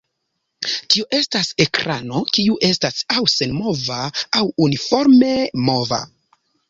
Tio estas ekrano kiu estas aŭ senmova aŭ uniforme mova.